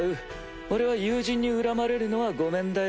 俺は友人に恨まれるのはごめんだよ。